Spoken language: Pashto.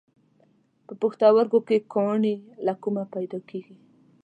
په پښتورګو کې کاڼي له کومه پیدا کېږي؟